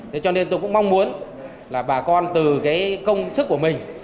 thế cho nên tôi cũng mong muốn là bà con từ cái công sức của mình